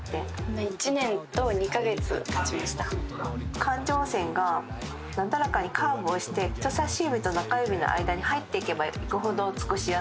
感情線がなだらかにカーブをして人さし指と中指の間に入っていけばいくほど。